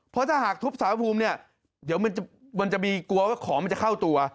เพราะถ้าหากทุบสารภูมิเนี่ยเดี๋ยวมันจะมีกลัวว่าของมันจะเข้าตัว